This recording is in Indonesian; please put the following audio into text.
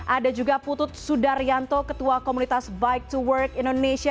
ada juga putut sudaryanto ketua komunitas bike to work indonesia